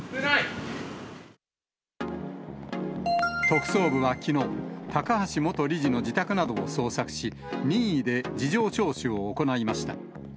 特捜部はきのう、高橋元理事の自宅などを捜索し、任意で事情聴取を行いました。